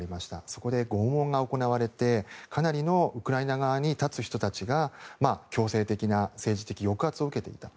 そこで拷問が行われてかなりのウクライナ側に立つ人たちが強制的な政治的抑圧を受けていた。